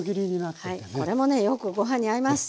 これもねよくご飯に合います。